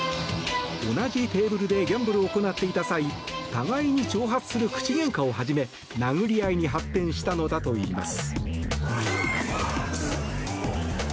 同じテーブルでギャンブルを行っていた際互いに挑発する口げんかを始め殴り合いに発展したのだといいます。